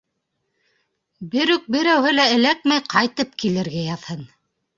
Берүк берәүһе лә эләкмәй ҡайтып килергә яҙһын.